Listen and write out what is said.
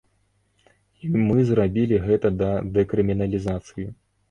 І мы зрабілі гэта да дэкрыміналізацыі.